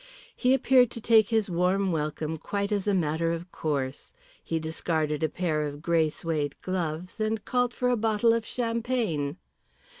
He appeared to take his warm welcome quite as a matter of course, he discarded a pair of grey suède gloves, and called for a bottle of champagne.